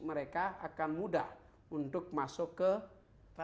mereka akan mudah untuk masuk ke pasaricket marketplace yang melaluioccupation ecommerce